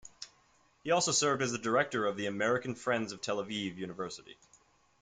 He also served as the director of the American Friends of Tel Aviv University.